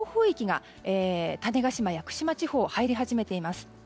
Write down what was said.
そして、暴風域が種子島、屋久島地方に入り始めています。